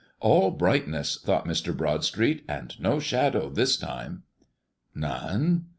"All brightness," thought Mr. Broadstreet, "and no Shadow this time." None?